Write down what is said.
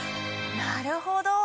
なるほど。